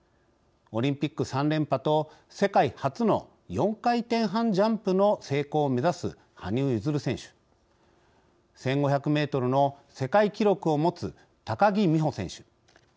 オリンピック３連覇と世界初の４回転半ジャンプの成功を目指す羽生結弦選手１５００メートルの世界記録を持つ高木美帆選手